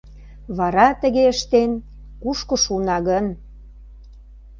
Вара, тыге ыштен, кушко шуына гын?